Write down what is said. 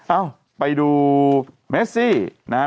เอ้าไปดูเมซี่นะครับ